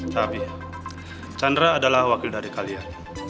tapi chandra adalah wakil dari kalian